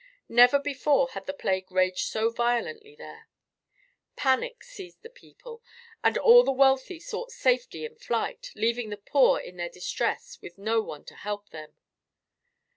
Never before had the plague raged so violently there. Panic seized the people, and all the wealthy sought safety in flight, leaving the poor in their distress with no one to help them.